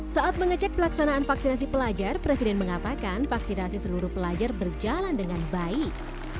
saat mengecek pelaksanaan vaksinasi pelajar presiden mengatakan vaksinasi seluruh pelajar berjalan dengan baik